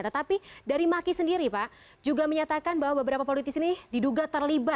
tetapi dari maki sendiri pak juga menyatakan bahwa beberapa politis ini diduga terlibat